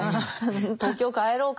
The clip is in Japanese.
東京帰ろうかな